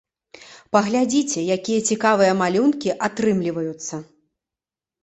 Паглядзіце, якія цікавыя малюнкі атрымліваюцца!